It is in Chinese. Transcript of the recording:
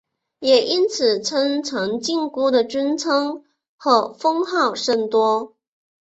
也因此陈靖姑的尊称或封号甚多。